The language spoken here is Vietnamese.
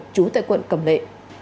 chú tại quận cẩm lệ